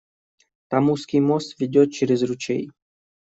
Там узкий мост ведет через ручей.